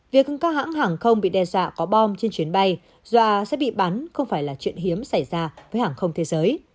việc các hãng không bị đe dọa có bom trên chuyến bay do sẽ bị bắn không phải là chuyện hiếm xảy ra với hãng không thế giới